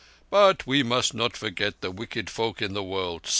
"But we must not forget the wicked folk in the world.